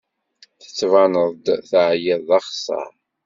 Tettbaned-d teɛyid d axeṣṣar.